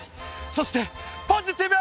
そしてポジティブ！